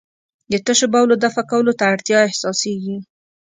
د تشو بولو دفع کولو ته اړتیا احساسېږي.